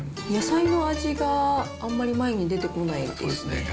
野菜の味があんまり前に出てこないですね。